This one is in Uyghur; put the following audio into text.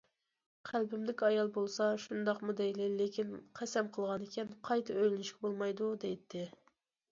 قەلبىمدىكى ئايال بولسا:« شۇنداقمۇ دەيلى، لېكىن قەسەم قىلغانىكەن قايتا ئۆيلىنىشكە بولمايدۇ» دەيتتى.